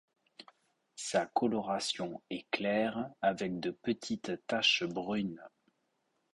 Sa coloration est claire avec de petites taches brunes.